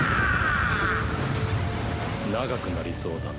長くなりそうだな。